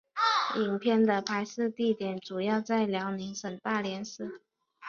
影片的拍摄地点主要在辽宁省大连市。